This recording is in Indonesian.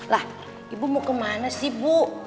lah ibu mau kemana sih bu